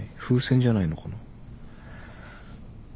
風船じゃないのかな。